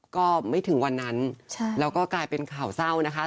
ก็ไม่ถึงวันนั้นแล้วก็กลายเป็นข่าวเศร้านะคะ